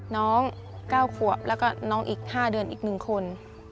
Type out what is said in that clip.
น้อง๙ขวบแล้วก็น้องอีก๕เดือนอีก๑คน